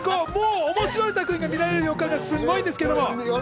面白い作品が見られる予感がすごいですけれども。